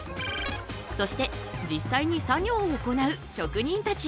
そして実際に作業を行う職人たち。